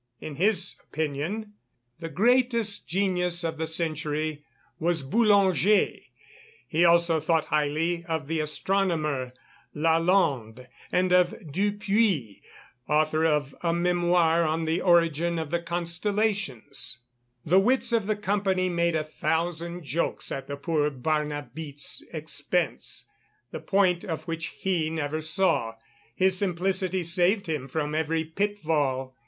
In his opinion the greatest genius of the century was Boulanger. He also thought highly of the astronomer Lalande and of Dupuis, author of a Memoir on the origin of the Constellations. The wits of the company made a thousand jokes at the poor Barnabite's expense, the point of which he never saw; his simplicity saved him from every pitfall.